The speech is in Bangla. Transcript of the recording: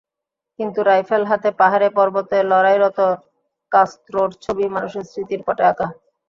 কিন্তু রাইফেল হাতে পাহাড়ে-পর্বতে লড়াইরত কাস্ত্রোর ছবিই মানুষের স্মৃতির পটে আঁকা।